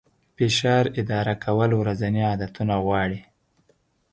فشار اداره کول ورځني عادتونه غواړي.